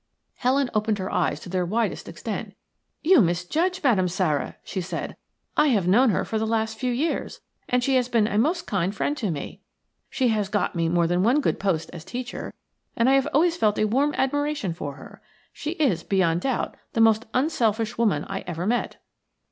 Helen opened her eyes to their widest extent. "You misjudge Madame Sara," she said. "I have known her for the last few years, and she has been a most kind friend to me. She has got me more than one good post as teacher, and I have always felt a warm admiration for her. She is, beyond doubt, the most unselfish woman I ever met."